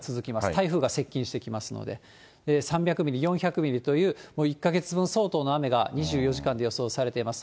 台風が接近してきますので、３００ミリ、４００ミリという、もう１か月分相当の雨が２４時間で予想されています。